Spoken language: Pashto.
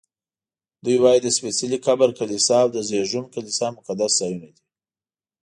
دوی وایي د سپېڅلي قبر کلیسا او د زېږون کلیسا مقدس ځایونه دي.